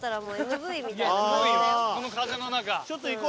この風の中。